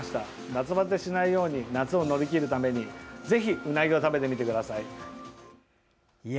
夏バテしないように夏を乗り切るためにぜひウナギを食べてみてください。